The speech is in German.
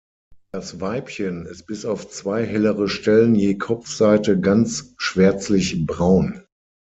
Das Weibchen ist bis auf zwei hellere Stellen je Kopfseite ganz schwärzlich-braun.